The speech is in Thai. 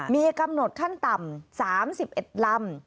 มีกำหนดขั้นต่ำ๓๑ลำ